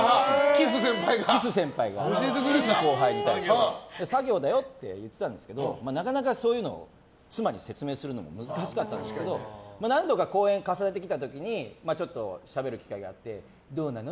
キス先輩がキス後輩に対して作業だよって言ってたんですけどなかなかそういうの妻に説明するのも難しかったんですけど何度か公演を重ねた時にちょっとしゃべる機会があってどうなの？